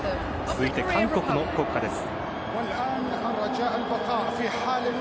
続いて韓国の国歌です。